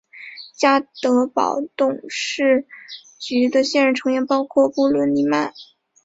家得宝董事局的现任成员包括布伦尼曼。